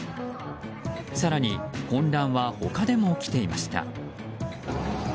更に混乱は他でも起きていました。